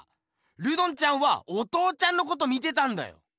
ルドンちゃんはお父ちゃんのこと見てたんだよ！